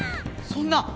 そんな！